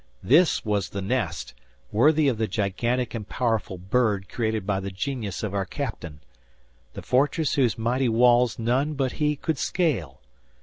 This was the nest, worthy of the gigantic and powerful bird created by the genius of our captain! The fortress whose mighty walls none but he could scale!